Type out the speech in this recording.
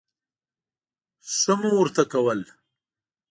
ښه مو ورته کول.